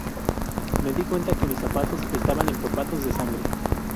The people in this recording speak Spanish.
Me di cuenta que mis zapatos estaban empapados de sangre.